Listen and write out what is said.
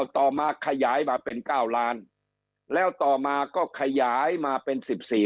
ต่อมาขยายมาเป็น๙ล้านแล้วต่อมาก็ขยายมาเป็น๑๔